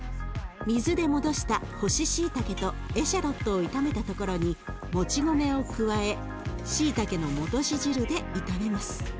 水で戻した干ししいたけとエシャロットを炒めたところにもち米を加えしいたけの戻し汁で炒めます。